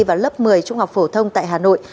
vào lớp một mươi trung học phổ thông tại hà nội